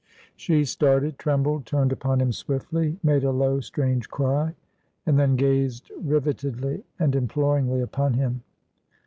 She started, trembled, turned upon him swiftly, made a low, strange cry, and then gazed rivetedly and imploringly upon him.